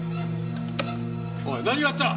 おい何があった！